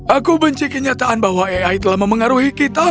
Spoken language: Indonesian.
aku benci kenyataan bahwa ai telah memengaruhi kita